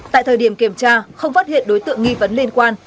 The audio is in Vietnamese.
tại thời điểm kiểm tra không phát hiện đối tượng nghi vấn liên quan